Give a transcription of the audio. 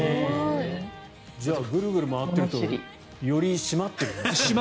じゃあぐるぐる回ってるとより締まってるんですね。